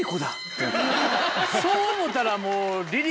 そう思うたらもう。